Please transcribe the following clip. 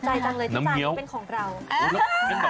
ดีใจจังเลยที่จ๋านิดหนึ่งเป็นของเรา